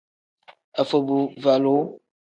Afobuvalu.